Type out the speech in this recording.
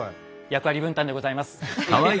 役割分担でございます。